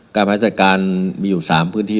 การพัฒนาจิตการณ์มีอยู่๓พื้นที่